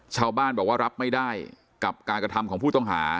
ชาวบ้านบอกว่ารับไม่ได้กับการกระทำของผู้ต้องหา